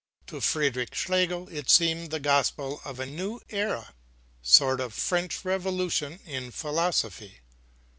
To Friedrich Schlegel it seemed the gospel of a new era sort of French Revolution in philosophy.